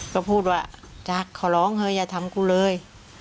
ก็พูดว่าจ๊ะขอร้องเฮ้ยอย่าทำกูเลย